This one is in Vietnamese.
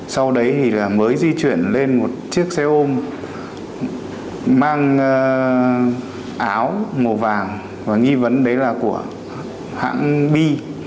sau đấy thì mới di chuyển lên một chiếc xe ôm mang áo màu vàng và nghi vấn đấy là của hãng bi